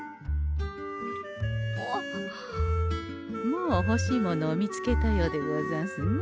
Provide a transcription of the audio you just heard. もうほしいものを見つけたようでござんすね。